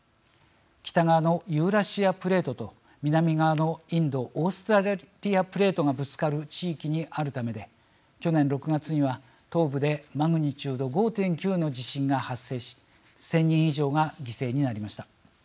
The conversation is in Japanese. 北側のユーラシアプレートと南側のインド・オーストラリアプレートがぶつかる地域にあるためで去年６月には東部でマグニチュード５．９の地震が発生し、１０００人以上が犠牲になりました。